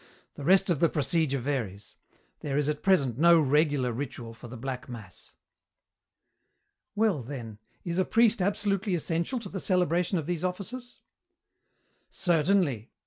The rest of the procedure varies. There is at present no regular ritual for the black mass." "Well, then, is a priest absolutely essential to the celebration of these offices?" "Certainly.